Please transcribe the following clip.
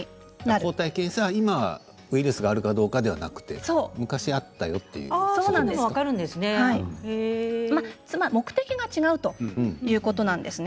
抗体検査は、今ウイルスがあるかどうかではなくて目的が違うんですね。